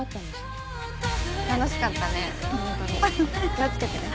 気を付けてね。